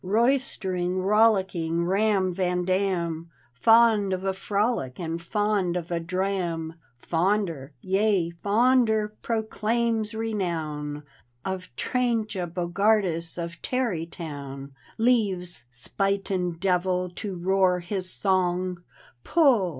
Roystering, rollicking Ram van Dam, Fond of a frolic and fond of a dram. Fonder — yea, fonder, proclaims renown, — Of Tryntje Bogardus of Tarrytown, Leaves Spuyten Duyvil to roar his songi Pull!